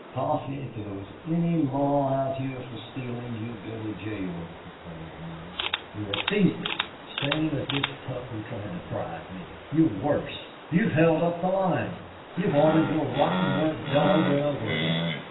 "Coffee, if there was any law out here for stealing you'd go to jail," declared Neale. "You're a thief, same as this pup who tried to bribe me. You're worse. You've held up the line. You've ordered your rotten work done over and over again.